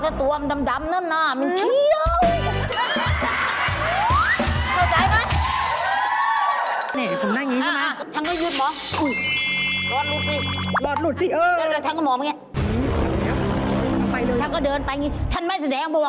และตัวอำดำนั่นมันเขี้ยว